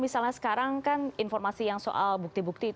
bahkan reformasi proses untuk menghubungkan ini